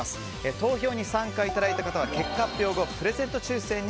投票に参加いただいた方は結果発表後プレゼント抽選に